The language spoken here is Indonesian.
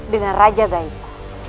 dengan raja gaipa